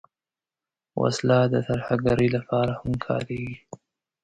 وسله د ترهګرۍ لپاره هم کارېدلې